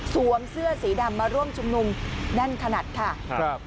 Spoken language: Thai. เสื้อสีดำมาร่วมชุมนุมแน่นขนาดค่ะครับ